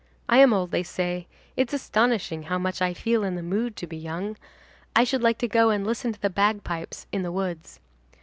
I am old, they say; it's astonishing how much I feel in the mood to be young. I should like to go and listen to the bagpipes in the woods.